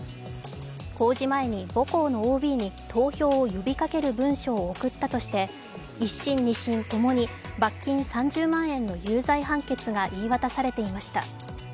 公示前に母校のＯＢに投票を呼びかける文書を送ったとして、１審・２審共に、罰金３０万円の有罪判決が言い渡されていました。